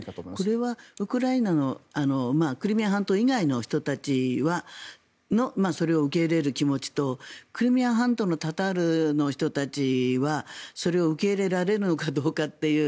これはウクライナのクリミア半島以外の人たちのそれを受け入れる気持ちとクリミア半島のタタールの人たちはそれを受け入れられるのかどうかっていう。